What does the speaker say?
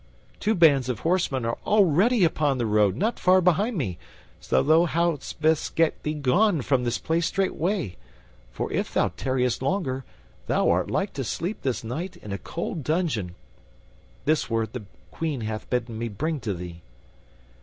Two bands of horsemen are already upon the road, not far behind me, so thou hadst best get thee gone from this place straightway, for, if thou tarriest longer, thou art like to sleep this night in a cold dungeon. This word the Queen hath bidden me bring to thee."